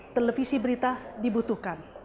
televisi berita dibutuhkan